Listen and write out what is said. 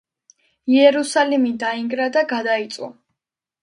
იერუსალიმი დაინგრა და გადაიწვა.